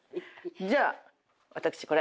じゃあ私これ。